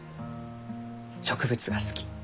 植物が好き。